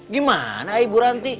gimana ibu ranti